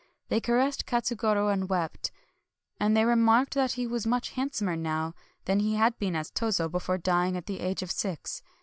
They caressed Katsugoro and wept; and they remarked that he was much handsomer now than he had been as Tozo before dying at the age of six.